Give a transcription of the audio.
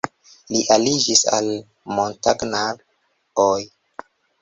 Li aliĝis al la "Montagnard"-oj.